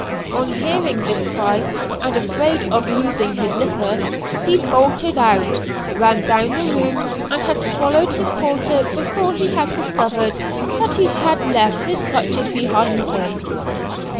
On hearing this cry, and afraid of losing his liquor, he bolted out, ran down the room, and had swallowed his porter before he had discovered that he had left his crutches behind him.